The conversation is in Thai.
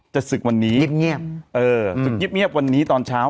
จะศึกวันนี้เงียบเออศึกเงียบวันนี้ตอนเช้า